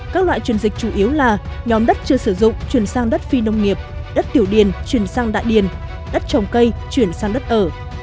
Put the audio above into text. các loại chuyển dịch chủ yếu là nhóm đất chưa sử dụng chuyển sang đất phi nông nghiệp đất tiểu điền chuyển sang đại điền đất trồng cây chuyển sang đất ở